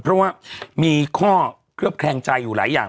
เพราะว่ามีข้อเคลือบแคลงใจอยู่หลายอย่าง